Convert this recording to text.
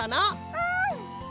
うん！